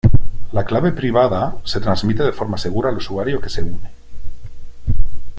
La clave privada se transmite de forma segura al usuario que se une.